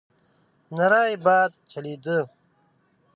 نری باد چلېده.